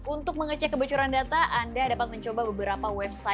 untuk mengecek kebocoran data anda dapat mencoba beberapa website